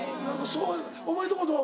お前んとこどう？